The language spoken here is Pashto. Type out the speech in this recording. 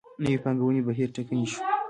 نوې پانګونې بهیر ټکنی شو.